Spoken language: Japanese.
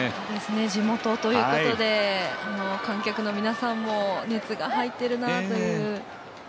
地元ということで観客の皆さんも熱が入ってるなという。